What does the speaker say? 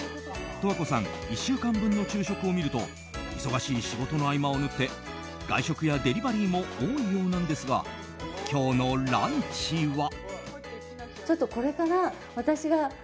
十和子さん１週間分の昼食を見ると忙しい仕事の合間を縫って外食やデリバリーも多いようなんですが今日のランチは。